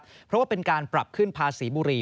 เพราะว่าเป็นการปรับขึ้นภาษีบุหรี่